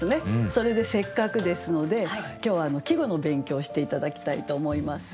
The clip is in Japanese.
それでせっかくですので今日は季語の勉強をして頂きたいと思います。